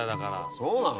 そうなの？